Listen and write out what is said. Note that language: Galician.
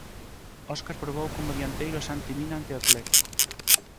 Óscar probou como dianteiro a Santi Mina ante o Atlético.